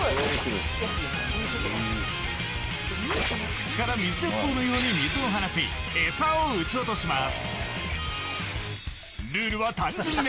口から水鉄砲のように水を放ち餌を撃ち落します。